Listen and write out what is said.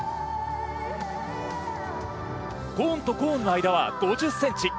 コーンとコーンの間は５０ｃｍ。